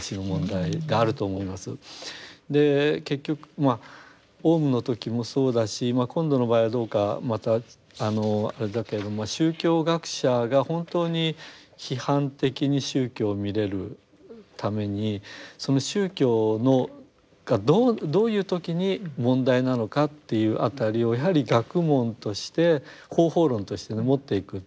結局まあオウムの時もそうだし今度の場合はどうかまたあれだけれども宗教学者が本当に批判的に宗教を見れるためにその宗教がどういう時に問題なのかっていう辺りをやはり学問として方法論としてね持っていく。